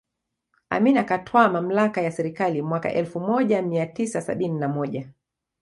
Amin akatwaa mamlaka ya serikali mwaka elfu moja mia tisa sabini na moja